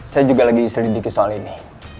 saya juga lagi selidiki soal ini